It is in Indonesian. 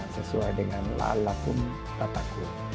sesuai dengan la'at lakum tataku